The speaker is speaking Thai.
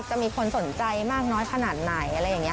จะมีคนสนใจมากน้อยขนาดไหนอะไรอย่างนี้